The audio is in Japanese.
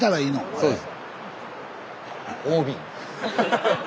そうです。